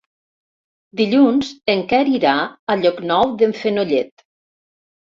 Dilluns en Quer irà a Llocnou d'en Fenollet.